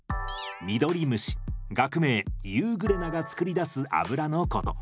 ミドリムシ学名ユーグレナが作り出す油のこと。